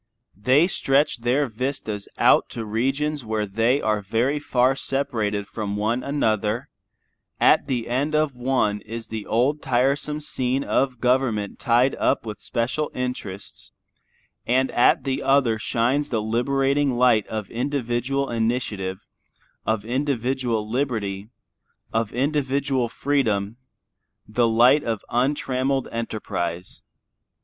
They stretch their vistas out to regions where they are very far separated from one another; at the end of one is the old tiresome scene of government tied up with special interests; and at the other shines the liberating light of individual initiative, of individual liberty, of individual freedom, the light of untrammeled enterprise.